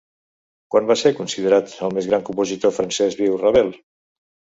Quan va ser considerat el més gran compositor francès viu Ravel?